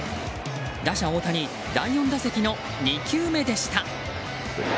打者・大谷第４打席の２球目でした。